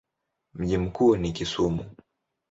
Mji mkuu ni Kisumu.